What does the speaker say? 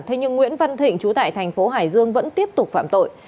thế nhưng nguyễn văn thịnh trú tại thành phố hải dương vẫn tiếp tục phạm tội